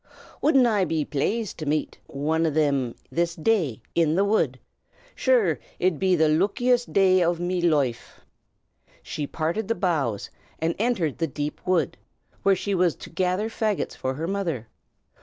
"Wouldn't I be plazed to meet wan o' thim this day, in the wud! Sure, it 'ud be the lookiest day o' me loife." She parted the boughs, and entered the deep wood, where she was to gather faggots for her mother.